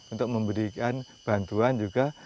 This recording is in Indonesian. untuk memberikan bantuan juga